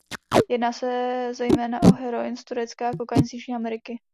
Jedná se zejména o heroin z Turecka a kokain z Jižní Ameriky.